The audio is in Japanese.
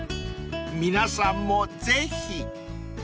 ［皆さんもぜひ］